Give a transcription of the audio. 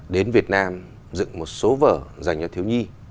đến việt nam dựng một số vở dành cho thiếu nhi